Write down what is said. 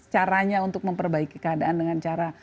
caranya untuk memperbaiki keadaan dengan cara